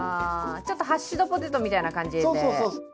ハッシュドポテトみたいな感じで。